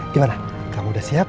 gimana kamu udah siap